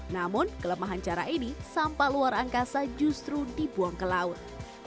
namun kelemahan cara ini sampah luar angkasa justru dibuang ke laut